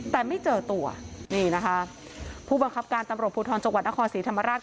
แต่ไม่เจอตัวนี่นะคะผู้บังคับการตำรวจภูทรจังหวัดนครศรีธรรมราช